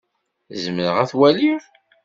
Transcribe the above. Zemreɣ ad t-waliɣ?